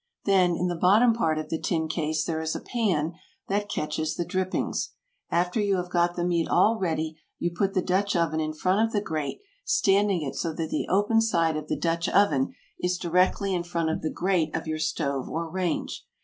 Then in the bottom part of the tin case there is a pan that catches the drippings. After you have got the meat all ready, you put the Dutch oven in front of the grate, standing it so that the open side of the Dutch oven is directly in front of the grate of your stove or range.